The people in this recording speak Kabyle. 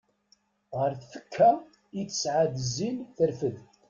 Ɣer tfekka i tesɛa d zzin terfed.